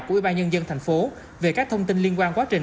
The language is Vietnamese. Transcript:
của ủy ban nhân dân thành phố về các thông tin liên quan quá trình